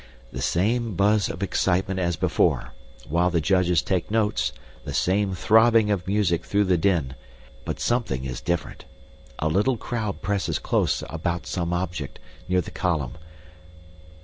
The same buzz of excitement as before, while the judges take notes, the same throbbing of music through the din; but something is different. A little crowd presses close about some object, near the column.